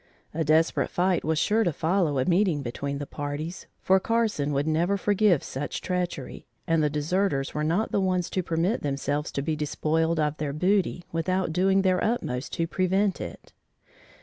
A desperate fight was sure to follow a meeting between the parties, for Carson would never forgive such treachery, and the deserters were not the ones to permit themselves to be despoiled of their booty without doing their utmost to prevent it.